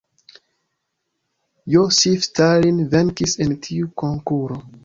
Josif Stalin venkis en tiu konkuro.